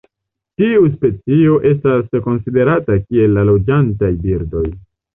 Tiu specio estas konsiderata kiel de loĝantaj birdoj.